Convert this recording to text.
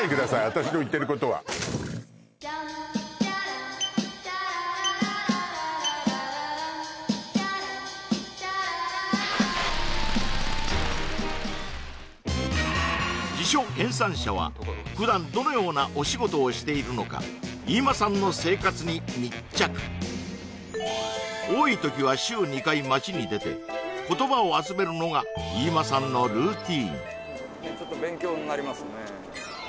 私の言ってることは辞書編さん者は普段どのようなお仕事をしているのか飯間さんの生活に密着多い時は週２回街に出て言葉を集めるのが飯間さんのルーティンちょっと勉強になりますね